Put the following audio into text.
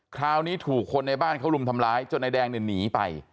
คราวนี้ถูกคนในบ้านเขารุมทำร้ายจนนายแดงเนี่ยหนีไป